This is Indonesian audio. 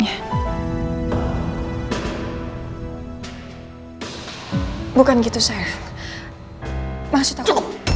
gue berangkat sekarang